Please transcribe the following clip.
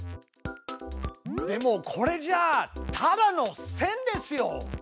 でもこれじゃただの線ですよ！